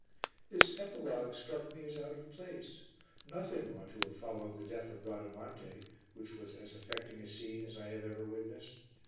This epilogue struck me as out of place; nothing ought to have followed the death of Bradamante, which was as affecting a scene as I have ever witnessed.